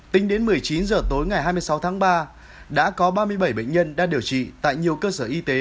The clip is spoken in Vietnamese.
tính đến một mươi chín h tối ngày hai mươi sáu tháng ba đã có ba mươi bảy bệnh nhân đang điều trị tại nhiều cơ sở y tế